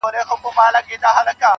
پر تندي يې شنه خالونه زما بدن خوري~